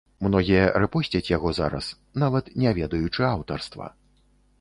Многія рэпосцяць яго зараз, нават не ведаючы аўтарства.